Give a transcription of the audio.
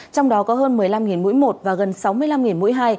trong đó có hơn một mươi năm mũi một và gần sáu mươi năm mũi hai